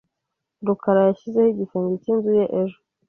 rukara yashyizeho igisenge cyinzu ye ejo .